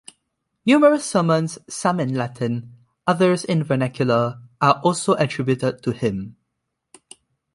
Numerous sermons, some in Latin, others in vernacular, are also attributed to him.